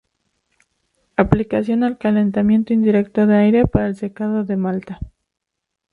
Aplicación al calentamiento indirecto de aire para el secado de malta".